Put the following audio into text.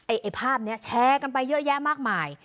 ไอ้ภาพนี้แชร์กันไปเยอะแยะมากมาย